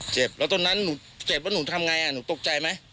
เจ็บแล้วตอนนั้นหนูเจ็บแล้วหนูทำไงหนูตกใจไหม